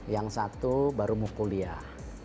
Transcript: yang satu baru mau kuliah